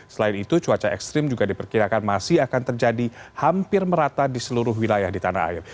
selain itu cuaca ekstrim juga diperkirakan masih akan terjadi hampir merata di seluruh wilayah di tanah air